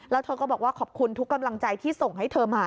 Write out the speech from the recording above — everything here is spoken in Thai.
แล้วขอบคุณทุกกำลังใจที่ทรงมา